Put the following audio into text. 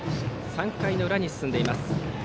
３回の裏に進んでいます。